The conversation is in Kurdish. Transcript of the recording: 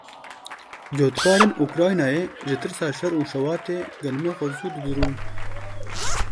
Cotkarên Ukraynayê ji tirsa şer û şewatê genimê xwe zû didirûn.